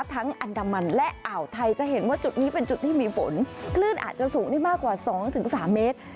อันดามันและอ่าวไทยจะเห็นว่าจุดนี้เป็นจุดที่มีฝนคลื่นอาจจะสูงได้มากกว่า๒๓เมตร